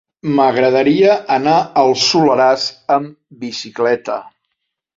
M'agradaria anar al Soleràs amb bicicleta.